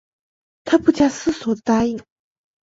她不假思索的答应